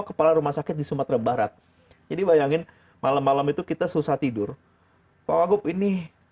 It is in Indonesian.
kepala rumah sakit di sumatera barat jadi bayangin malam malam itu kita susah tidur pak wagup ini